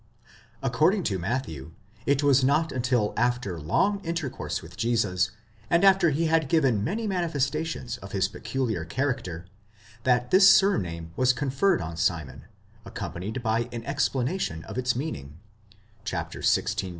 According to Matthew, it was not until after long intercourse with Jesus, and after he had given many manifestations of his peculiar character, that this surname was conferred on Simon, accompanied by an explanation of its meariing (xvi.